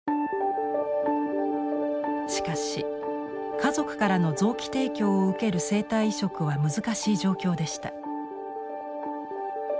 しかし家族からの臓器提供を受ける生体移植は難しい状況でした。